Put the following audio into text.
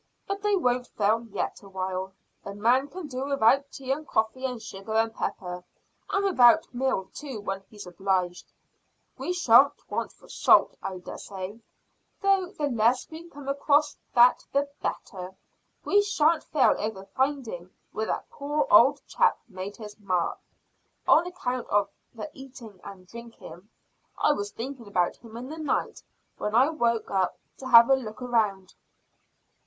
But they won't fail yet awhile. A man can do without tea and coffee and sugar and pepper, and without meal too when he's obliged. We shan't want for salt, I dessay, though the less we come across that the better. We shan't fail over finding where that poor old chap made his map, on account of the eating and drinking. I was thinking about him in the night when I woke up to have a look round."